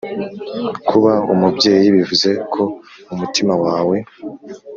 kuba umubyeyi bivuze ko umutima wawe